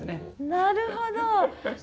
なるほど！